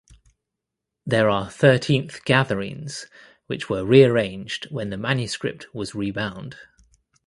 There are thirteenth gatherings which were rearranged when the manuscript was rebound.